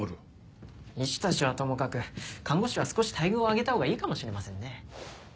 医師たちはともかく看護師は少し待遇を上げたほうがいいかもしれませんね。